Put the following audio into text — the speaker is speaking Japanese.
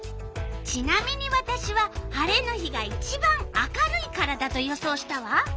ちなみにわたしは晴れの日がいちばん明るいからだと予想したわ。